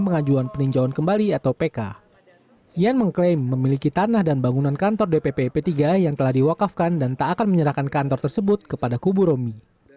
pemimpinan yang sedang diadakan adalah pak rokyat yang telah diwakafkan dan tak akan menyerahkan kantor tersebut kepada kubu romi